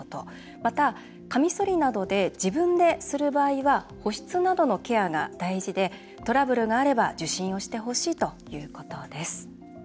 また、カミソリなどで自分でする場合は保湿などのケアが大事でトラブルがあれば受診をしてほしいということです。